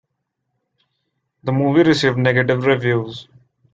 The movie received negative reviews.